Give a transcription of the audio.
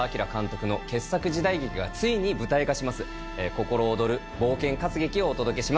心躍る冒険活劇をお届けします。